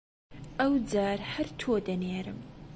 ئەوجار هەر تۆ دەنێرم!